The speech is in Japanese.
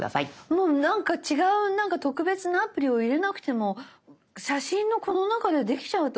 もうなんか違うなんか特別なアプリを入れなくても写真のこの中でできちゃうってことですか？